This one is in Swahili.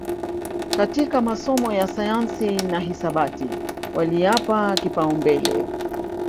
katika masomo ya sayansi na hisabati waliyapa kipaumbele